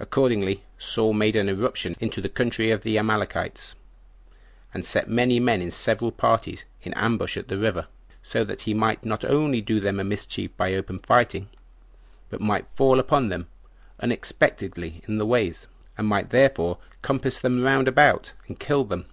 Accordingly, Saul made an irruption into the country of the Amalekites, and set many men in several parties in ambush at the river, that so he might not only do them a mischief by open fighting, but might fall upon them unexpectedly in the ways, and might thereby compass them round about, and kill them.